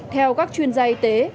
theo các chuyên gia y tế